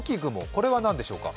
これは何でしょうか。